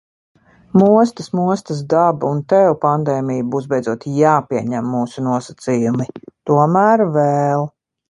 Mostas, mostas daba, un tev, pandēmija, būs beidzot jāpieņem mūsu nosacījumi. Tomēr vēl.